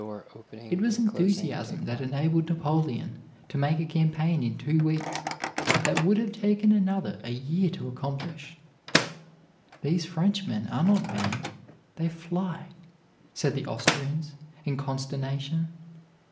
It was enthusiasm that enabled Napoleon to make a campaign in two weeks that would have taken another a year to accomplish. "These Frenchmen are not men, they fly," said the Austrians in consternation.